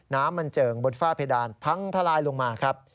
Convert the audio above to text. น้ำมันเจิ่งบนฝ้าเพดานพังทลายลงมาครับ